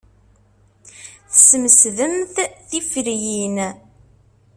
Tesmesdemt tiferyin.